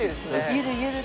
ゆるゆると。